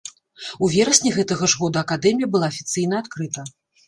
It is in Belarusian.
У верасні гэтага ж года акадэмія была афіцыйна адкрыта.